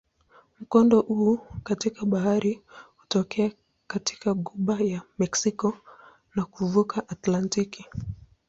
Mkondo huu katika bahari hutokea katika ghuba ya Meksiko na kuvuka Atlantiki.